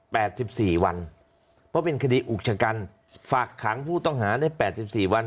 สิบสี่วันเพราะเป็นคดีอุกชะกันฝากขังผู้ต้องหาได้แปดสิบสี่วัน